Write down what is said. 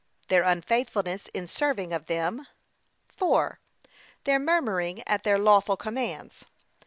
Their unfaithfulness in serving of them. (4.) Their murmuring at their lawful commands, &c.